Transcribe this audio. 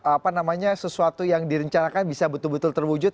apa namanya sesuatu yang direncanakan bisa betul betul terwujud